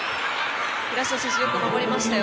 平下選手よく守りましたよ。